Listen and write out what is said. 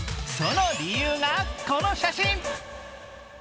その理由が、この写真。